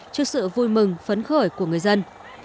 trước sự vui mừng phấn khởi của người dân